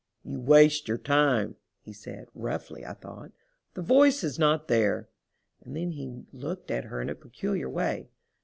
"You waste your time," he said, roughly I thought. "The voice is not there." And then he looked at her in a peculiar way.